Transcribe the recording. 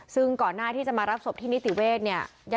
ซึ่งก่อนหน้าที่จะมารับศพที่นิติเวศเนี่ย